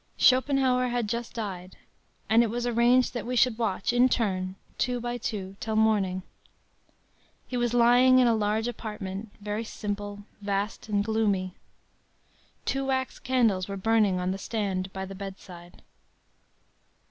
“Schopenhauer had just died, and it was arranged that we should watch, in turn, two by two, till morning. “He was lying in a large apartment, very simple, vast and gloomy. Two wax candles were burning on the stand by the bedside.